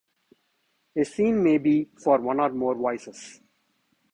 A scene may be for one or more voices.